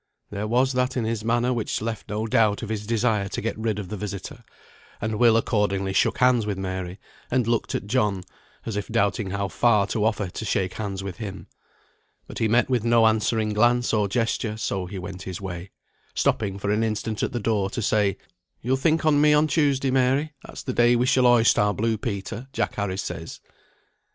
There was that in his manner which left no doubt of his desire to get rid of the visitor, and Will accordingly shook hands with Mary, and looked at John, as if doubting how far to offer to shake hands with him. But he met with no answering glance or gesture, so he went his way, stopping for an instant at the door to say, "You'll think on me on Tuesday, Mary. That's the day we shall hoist our blue Peter, Jack Harris says."